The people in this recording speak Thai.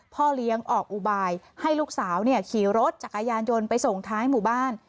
พ่อเลี้ยงออกอุบายให้ลูกสาวขี่รถจักรยานยนต์ไปส่งท้ายหมู่บ้าน